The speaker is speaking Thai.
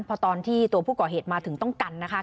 พอตอนที่ตัวผู้ก่อเหตุมาถึงต้องกันนะคะ